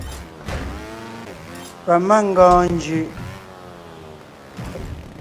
Pamangɔɔn njʉʼ.